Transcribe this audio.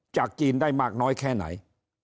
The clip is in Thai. จากจีนได้มากน้อยแค่ไหน